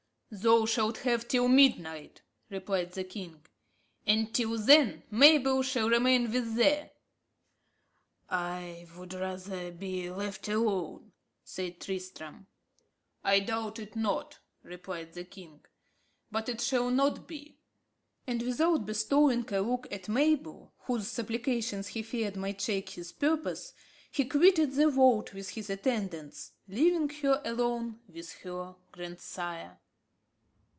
"Thou shalt have till midnight," replied the king; "and till then Mabel shall remain with thee." "I would rather be left alone," said Tristram. "I doubt it not," replied the king; "but it shall not be." And without bestowing a look at Mabel, whose supplications he feared might shake his purpose, he quitted the vault with his attendants, leaving her alone with her grandsire.